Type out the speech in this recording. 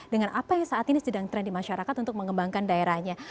dengan apa yang saat ini sedang trend di masyarakat untuk mengembangkan daerahnya